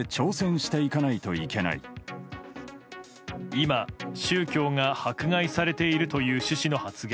今、宗教が迫害されているという趣旨の発言。